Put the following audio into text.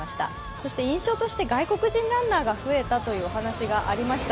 そして印象として外国人ランナーが増えていたという話がありました。